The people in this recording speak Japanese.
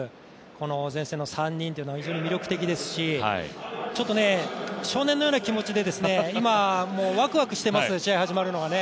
この前線の３人は非常に楽しみですし、ちょっと少年のような気持ちで今、ワクワクしてます、試合始まるのが。